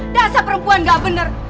dasar perempuan gak bener